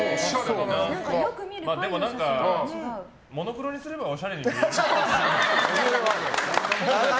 でも、モノクロにすればおしゃれに見える。